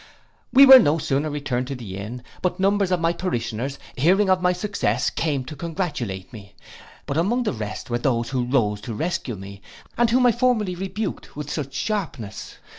We were no sooner returned to the inn, but numbers of my parishioners, hearing of my success, came to congratulate me, but among the rest were those who rose to rescue me, and whom I formerly rebuked with such sharpness.